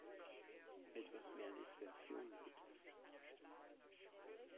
Etwas mehr Diskretion, bitte!